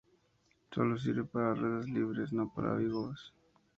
Solo sirve para "ruedas libres", no para bogies.